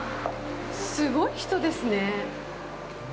すごい人ですね！